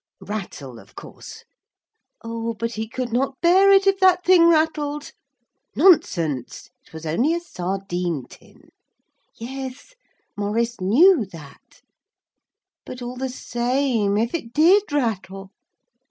Rattle, of course. Oh, but he could not bear it if that thing rattled. Nonsense; it was only a sardine tin. Yes, Maurice knew that. But all the same if it did rattle!